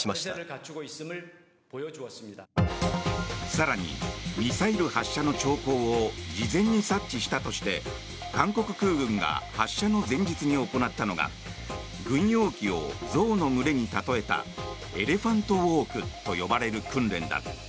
更に、ミサイル発射の兆候を事前に察知したとして韓国空軍が発射の前日に行ったのが軍用機を象の群れに例えたエレファントウォークと呼ばれる訓練だ。